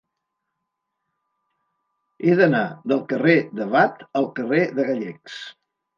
He d'anar del carrer de Watt al carrer de Gallecs.